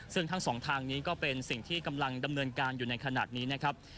ซึ่งทั้งสองทางนี้ก็เป็นสิ่งที่กำลังดำเนินการอยู่ในขณะนี้นะครับ